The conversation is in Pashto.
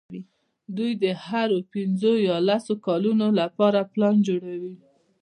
دوی د هرو پینځو یا لسو کلونو لپاره پلان جوړوي.